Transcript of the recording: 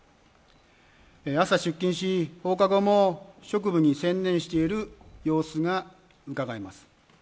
朝出勤し、放課後も職務に専念している様子がうかがえます。